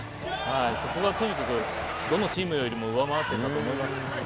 そこがどのチームより上回っていたと思います。